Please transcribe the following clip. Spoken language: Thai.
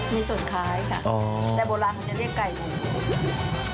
แต่โบราณเขาจะเรียกไก่บุง